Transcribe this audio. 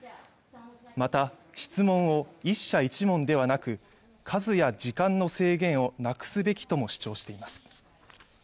また質問を１社１問ではなく数や時間の制限をなくすべきとも主張しています